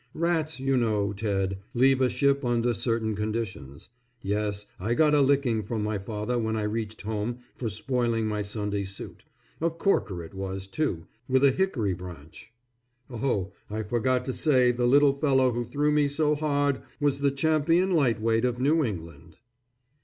Rats, you know, Ted, leave a ship under certain conditions. Yes, I got a licking from my father when I reached home for spoiling my Sunday suit. A corker it was, too, with a hickory branch. Oh! I forgot to say the little fellow who threw me so hard was the Champion Lightweight of New England.